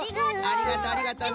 ありがとありがとね。